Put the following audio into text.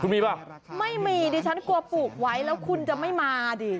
มีป่ะไม่มีดิฉันกลัวปลูกไว้แล้วคุณจะไม่มาดิ